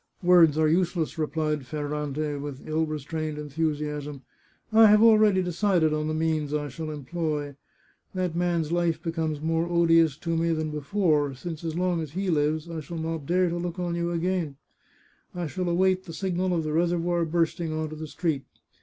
" Words are useless," replied Ferrante, with ill restrained enthusiasm. " I have already decided on the means I shall employ. That man's life becomes more odious to me than before, since as long as he lives I shall not dare to look on 394 The Chartreuse of Parma you again. I shall await the signal of the reservoir bursting on to the street."